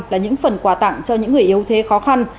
hai mươi là những phần quà tặng cho những người yếu thế khó khăn